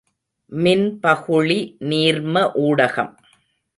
மின்பகுளி நீர்ம ஊடகம்.